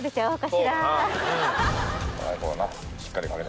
よし。